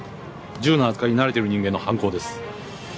銃の扱いに慣れてる人間の犯行です。